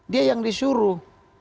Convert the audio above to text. dia yang disuruh